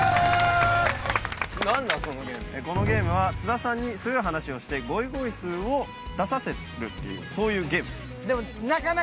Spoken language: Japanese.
このゲームは津田さんにすごい話をしてゴイゴイスーを出させるっていうそういうゲームです。